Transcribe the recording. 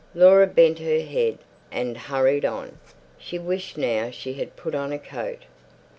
Laura bent her head and hurried on. She wished now she had put on a coat.